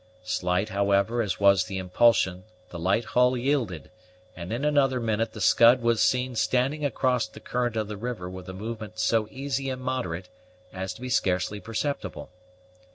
Slight, however, as was the impulsion, the light hull yielded; and in another minute the Scud was seen standing across the current of the river with a movement so easy and moderate as to be scarcely perceptible.